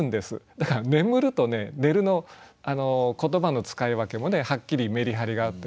だから「眠る」と「寝る」の言葉の使い分けもねはっきりメリハリがあっていいと思いました。